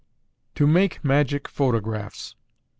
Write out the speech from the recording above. _To Make Magic Photographs.